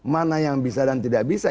mana yang bisa dan tidak bisa